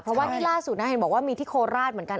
เพราะว่านี่ล่าสุดนะเห็นบอกว่ามีที่โคราชเหมือนกัน